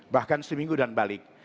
bahkan seminggu dan balik